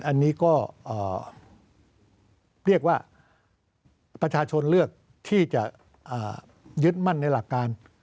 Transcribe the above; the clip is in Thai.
อันนี้ก็เรียกว่าประชาชนเลือกที่จะยึดมั่นในหลักการ